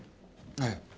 ええ。